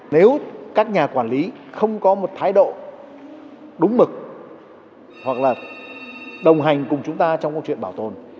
nếu các nhà quản lý không có một thái độ đúng mực hoặc là đồng hành cùng chúng ta trong câu chuyện bảo tồn